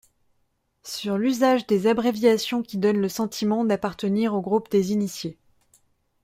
Sur l'usage des abréviations qui donnent le sentiment d'appartenir au groupe des initiés.